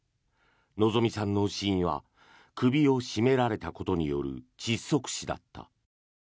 希美さんの死因は首を絞められたことによる窒息死だった。